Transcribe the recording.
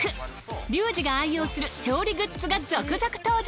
リュウジが愛用する調理グッズが続々登場！